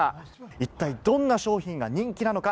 一体、どんな商品が人気なのか。